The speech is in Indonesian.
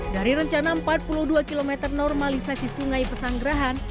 dari rencana empat puluh dua km normalisasi sungai pesanggerahan